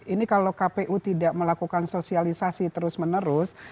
ini kalau kpu tidak melakukan sosialisasi terus menerus